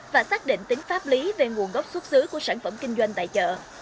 và xác định tính pháp lý về nguồn gốc xuất xứ của sản phẩm kinh doanh tại chợ